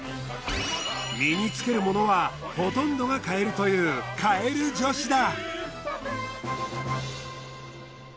身に着けるものはほとんどがカエルというカエル女子だ。